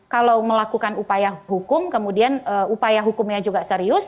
kalau melakukan upaya hukum kemudian upaya hukumnya juga serius